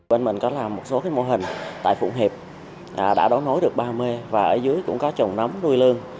bên mình có làm một số cái mô hình tại phụng hiệp đã đón nối được ba mươi và ở dưới cũng có trồng nấm nuôi lương